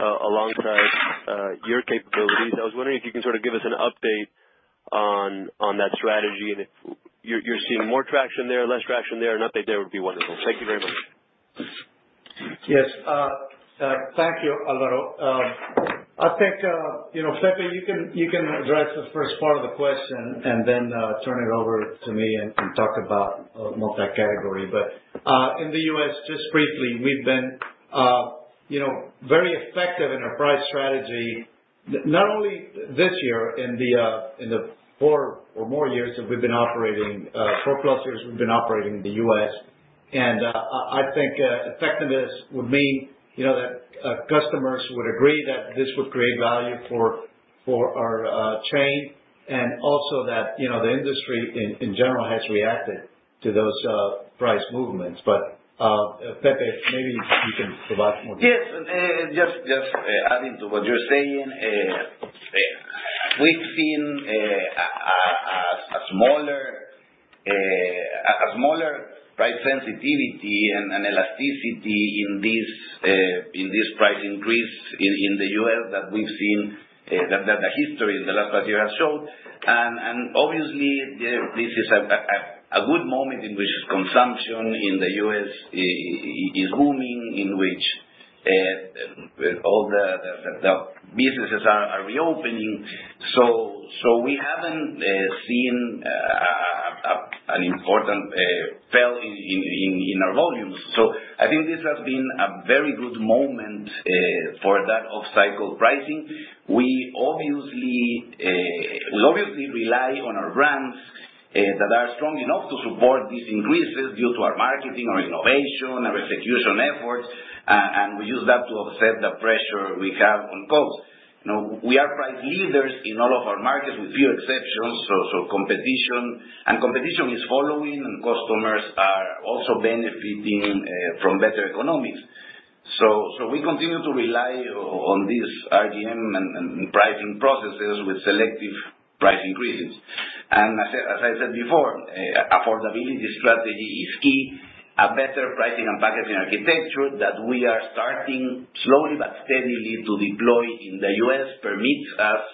alongside your capabilities. I was wondering if you can sort of give us an update on that strategy and if you're seeing more traction there, less traction there? An update there would be wonderful. Thank you very much. Yes. Thank you, Álvaro. I think you know, Pepe, you can address the first part of the question and then turn it over to me and talk about multi-category. In the U.S., just briefly, we've been you know, very effective in our price strategy, not only this year, in the four plus years we've been operating in the U.S. I think effectiveness would mean you know, that customers would agree that this would create value for our chain, and also that you know, the industry in general has reacted to those price movements. Pepe, maybe you can provide more detail. Yes. Just adding to what you're saying. We've seen a small price sensitivity and elasticity in this price increase in the U.S. that we've seen that the history, the last part here has shown. Obviously, this is a good moment in which consumption in the U.S. is booming, in which all the businesses are reopening. We haven't seen an important fall in our volumes. I think this has been a very good moment for that off-cycle pricing. We obviously rely on our brands that are strong enough to support these increases due to our marketing, our innovation, our execution efforts, and we use that to offset the pressure we have on costs. Now, we are price leaders in all of our markets, with few exceptions, so competition is following and customers are also benefiting from better economics. We continue to rely on this RGM and pricing processes with selective price increases. As I said before, affordability strategy is key. A better pricing and packaging architecture that we are starting slowly but steadily to deploy in the U.S. permits us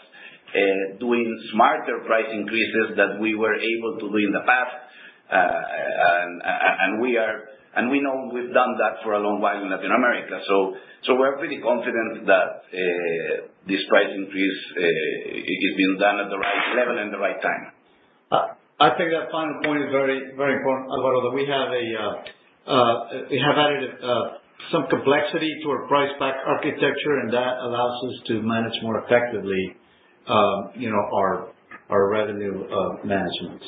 doing smarter price increases that we were able to do in the past. We know we've done that for a long while in Latin America. We're pretty confident that this price increase is being done at the right level and the right time. I think that final point is very, very important, Álvaro. That we have added some complexity to our price-pack architecture, and that allows us to manage more effectively, you know, our revenue management.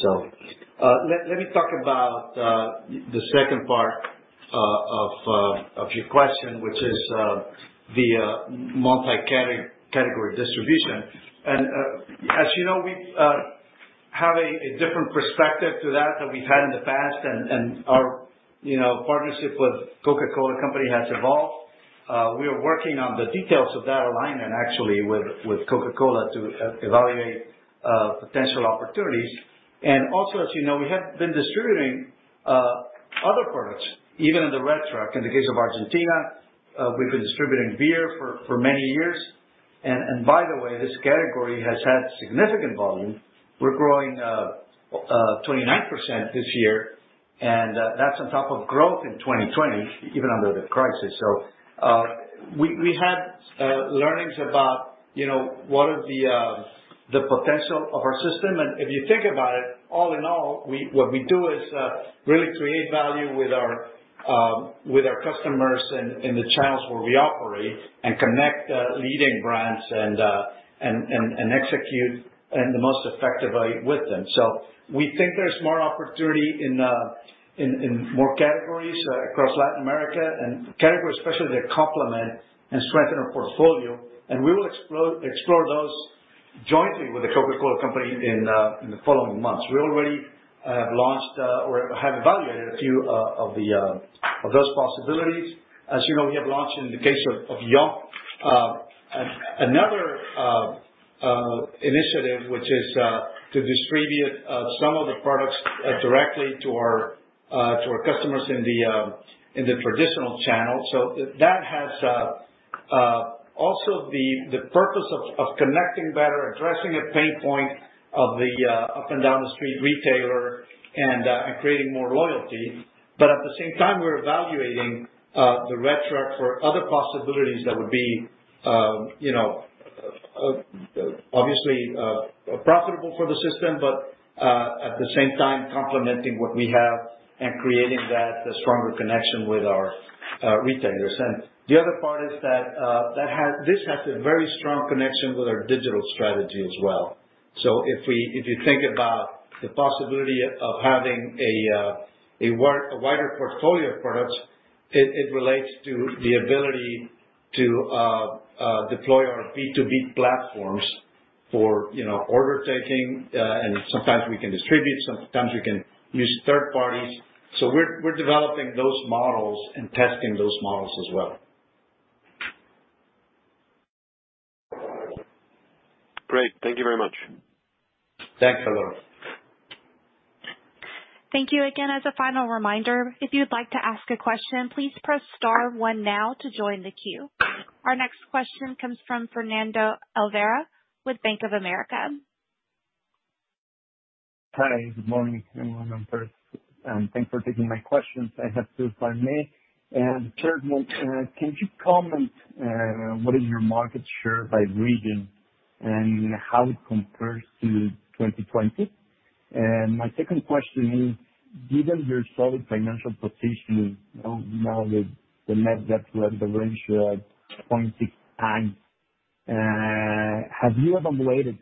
Let me talk about the second part of your question, which is the multi-category distribution. As you know, we have a different perspective to that than we've had in the past and our partnership with Coca-Cola Company has evolved. We are working on the details of that alignment actually, with Coca-Cola to evaluate potential opportunities. Also, as you know, we have been distributing other products, even in the Retruck. In the case of Argentina, we've been distributing beer for many years. By the way, this category has had significant volume. We're growing 29% this year, and that's on top of growth in 2020, even under the crisis. We had learnings about, you know, what are the potential of our system. If you think about it, all in all, what we do is really create value with our customers in the channels where we operate and connect leading brands and execute most effectively with them. We think there's more opportunity in more categories across Latin America, and categories especially that complement and strengthen our portfolio. We will explore those jointly with the Coca-Cola Company in the following months. We already launched or have evaluated a few of those possibilities. As you know, we have launched in the case of Yonp. Another initiative, which is to distribute some of the products directly to our customers in the traditional channel. That has also the purpose of connecting better, addressing a pain point of the up-and-down-the-street retailer and creating more loyalty. At the same time, we're evaluating the Retruck for other possibilities that would be, you know, obviously profitable for the system, but at the same time complementing what we have and creating the stronger connection with our retailers. The other part is that this has a very strong connection with our digital strategy as well. If you think about the possibility of having a wider portfolio of products, it relates to the ability to deploy our B2B platforms for, you know, order taking. Sometimes we can distribute, sometimes we can use third parties. We're developing those models and testing those models as well. Great. Thank you very much. Thanks, Álvaro. Thank you again. As a final reminder, if you'd like to ask a question, please press star one now to join the queue. Our next question comes from Fernando Olvera with Bank of America. Hi, good morning, everyone, and thanks for taking my questions. I have two, if I may. First one, can you comment what is your market share by region and how it compares to 2020? My second question is, given your solid financial position now with the net debt to EBITDA ratio at 0.6x, have you evaluated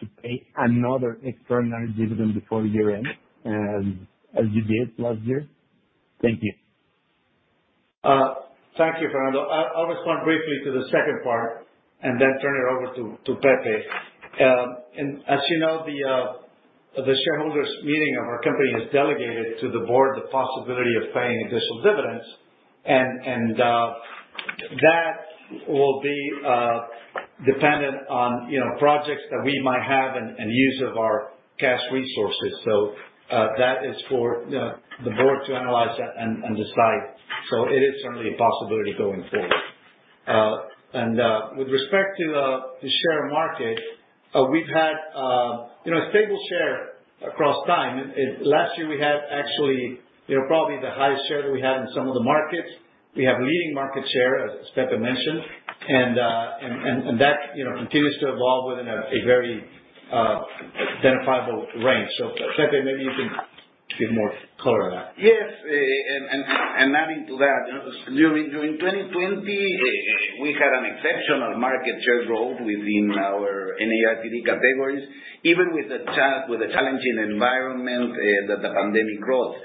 to pay another extraordinary dividend before year-end as you did last year? Thank you. Thank you, Fernando. I'll respond briefly to the second part and then turn it over to Pepe. As you know, the shareholders' meeting of our company has delegated to the board the possibility of paying additional dividends. That will be dependent on, you know, projects that we might have and use of our cash resources. That is for the board to analyze that and decide. It is certainly a possibility going forward. With respect to the market share, we've had, you know, a stable share across time. Last year we had actually, you know, probably the highest share that we had in some of the markets. We have leading market share, as Pepe mentioned. that, you know, continues to evolve within a very identifiable range. Pepe, maybe you can give more color on that. Yes. Adding to that, you know, during 2020, we had an exceptional market share growth within our NARTD categories, even with the challenging environment that the pandemic brought.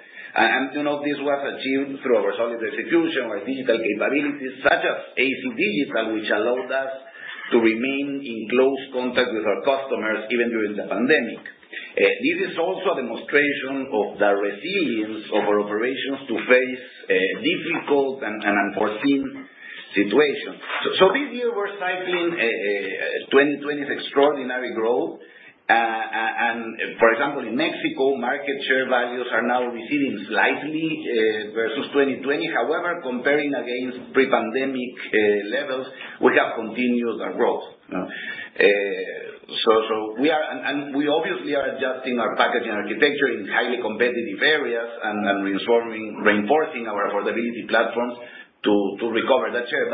You know, this was achieved through our solid execution, our digital capabilities, such as AC Digital, which allowed us to remain in close contact with our customers even during the pandemic. This is also a demonstration of the resilience of our operations to face difficult and unforeseen situations. This year we're cycling 2020's extraordinary growth. And for example, in Mexico, market share values are now receding slightly versus 2020. However, comparing against pre-pandemic levels, we have continued our growth. So we are... We obviously are adjusting our packaging architecture in highly competitive areas and reinforcing our affordability platforms to recover that share.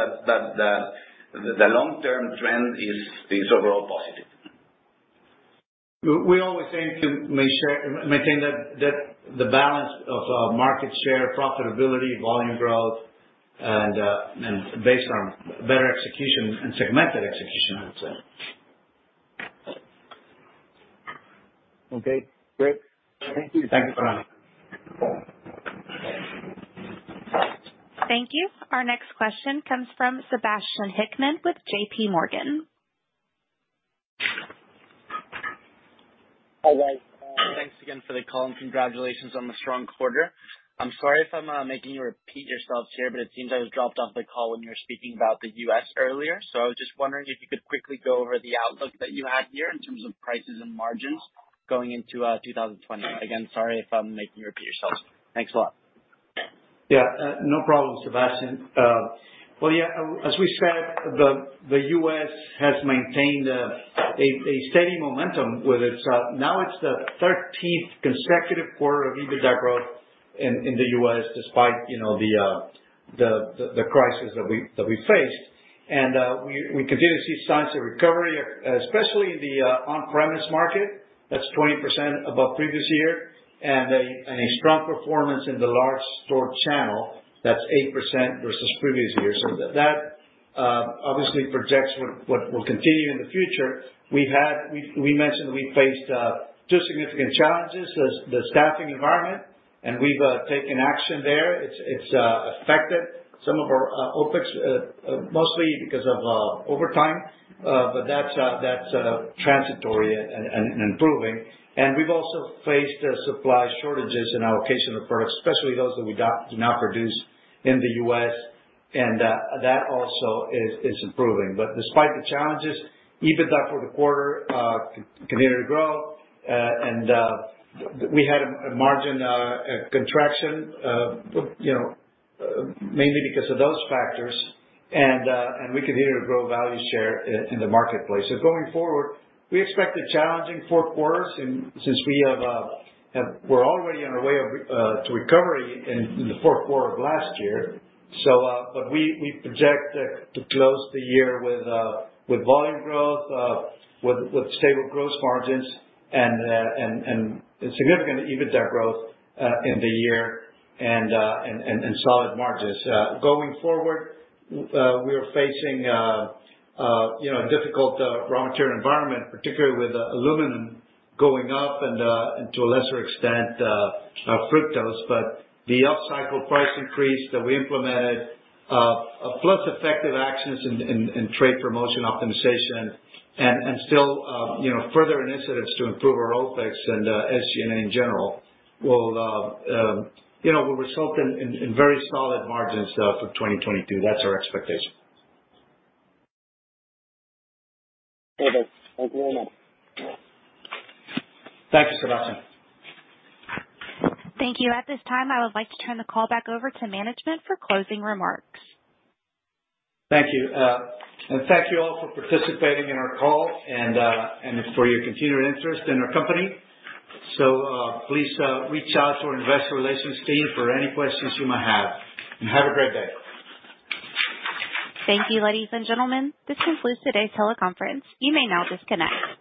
The long-term trend is overall positive. We always aim to maintain that the balance of market share, profitability, volume growth and based on better execution and segmented execution, I would say. Okay, great. Thank you. Thank you for having me. Thank you. Our next question comes from Sebastian Hickman with JP Morgan. Hi, guys. Thanks again for the call, and congratulations on the strong quarter. I'm sorry if I'm making you repeat yourselves here, but it seems I was dropped off the call when you were speaking about the U.S. earlier. I was just wondering if you could quickly go over the outlook that you had here in terms of prices and margins going into 2020. Again, sorry if I'm making you repeat yourselves. Thanks a lot. Yeah. No problem, Sebastian. Well, yeah, as we said, the U.S. has maintained a steady momentum, whether it's now the thirteenth consecutive quarter of EBITDA growth in the U.S. despite, you know, the crisis that we faced. We continue to see signs of recovery, especially in the on-premise market. That's 20% above previous year. A strong performance in the large store channel. That's 8% versus previous year. That obviously projects what will continue in the future. We mentioned that we faced two significant challenges, the staffing environment, and we've taken action there. It's affected some of our OPEX, mostly because of overtime. But that's transitory and improving. We've also faced supply shortages in allocation of products, especially those that we do not produce in the U.S. That also is improving. Despite the challenges, EBITDA for the quarter continued to grow. We had a margin contraction, you know, mainly because of those factors. We continue to grow value share in the marketplace. Going forward, we expect a challenging fourth quarter since we have. We're already on our way to recovery in the fourth quarter of last year. We project to close the year with volume growth, with stable gross margins and solid margins. Going forward, we are facing, you know, a difficult raw material environment, particularly with aluminum going up and to a lesser extent, fructose. The upcycle price increase that we implemented, plus effective actions in trade promotion optimization and still, you know, further initiatives to improve our OpEx and SG&A in general will result in very solid margins for 2022. That's our expectation. Okay. Thank you very much. Thank you, Sebastian. Thank you. At this time, I would like to turn the call back over to management for closing remarks. Thank you. Thank you all for participating in our call and for your continued interest in our company. Please, reach out to our investor relations team for any questions you might have. Have a great day. Thank you, ladies and gentlemen. This concludes today's teleconference. You may now disconnect.